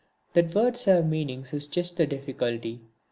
That words have meanings is just the difficulty.